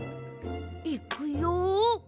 いくよ？